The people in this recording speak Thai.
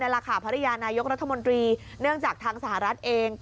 แหละค่ะภรรยานายกรัฐมนตรีเนื่องจากทางสหรัฐเอง